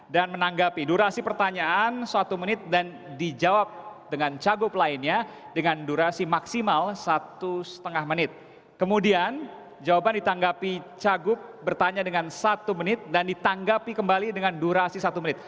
dan jawaban ditanggapi cagup bertanya dengan satu menit dan ditanggapi kembali dengan durasi satu menit